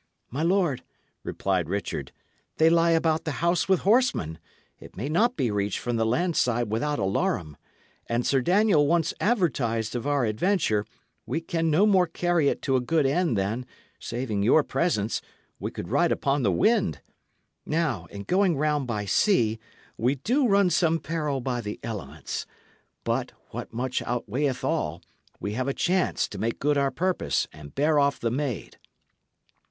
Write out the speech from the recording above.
"My lord," replied Richard, "they lie about the house with horsemen; it may not be reached from the land side without alarum; and Sir Daniel once advertised of our adventure, we can no more carry it to a good end than, saving your presence, we could ride upon the wind. Now, in going round by sea, we do run some peril by the elements; but, what much outweighteth all, we have a chance to make good our purpose and bear off the maid."